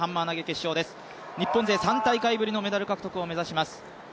日本勢、３大会ぶりのメダル獲得を目指します。